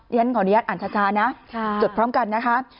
ฉันขออนุญาตอ่านช้านะจดพร้อมกันนะคะ